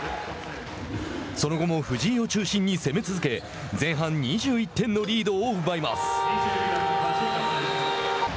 その後も藤井を中心に攻め続け前半２１点のリードを奪います。